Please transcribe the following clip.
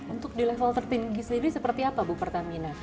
untuk di level tertinggi sendiri seperti apa bu pertamina